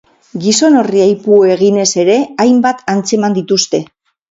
Gizon horri aipu eginez ere hainbat antzeman dituzte.